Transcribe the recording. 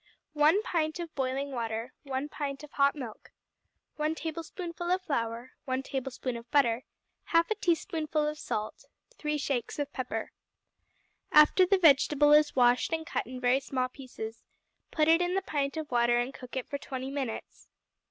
1 pint of boiling water. 1 pint of hot milk. 1 tablespoonful of flour. 1 tablespoonful of butter. 1/2 teaspoonful of salt. 3 shakes of pepper. After the vegetable is washed and cut in very small pieces, put it in the pint of water and cook it for twenty minutes.